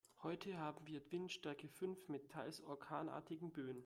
Heute haben wir Windstärke fünf mit teils orkanartigen Böen.